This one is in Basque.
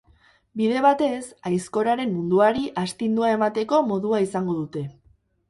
Bide batez, aizkoraren munduari astindua emateko modua izango dute.